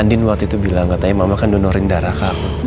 andin waktu itu bilang gak tau ya mama kan donoring darah kak